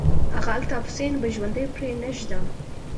هغه الطاف حسين به ژوندى پرې نه ږدم.